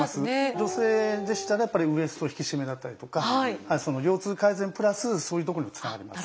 女性でしたらウエスト引き締めだったりとか腰痛改善プラスそういうとこにもつながります。